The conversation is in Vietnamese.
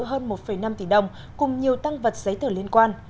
hơn một năm tỷ đồng cùng nhiều tăng vật giấy tờ liên quan